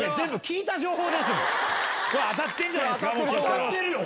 当たってるよ！